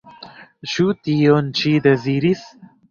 Ĉu tion ŝi deziris?